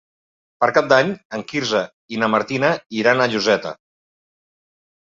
Per Cap d'Any en Quirze i na Martina iran a Lloseta.